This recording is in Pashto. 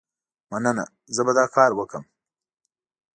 مننه، زه به دا کار وکړم.